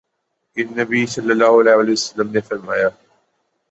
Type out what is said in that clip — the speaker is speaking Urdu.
کہ نبی صلی اللہ علیہ وسلم نے فرمایا